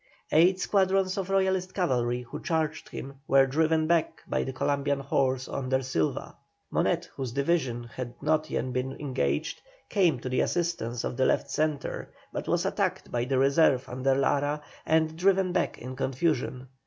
Eight squadrons of Royalist cavalry who charged him were driven back by the Columbian horse under Silva. Monet, whose division had not yet been engaged, came to the assistance of the left centre, but was attacked by the reserve under Lara, and driven back in confusion.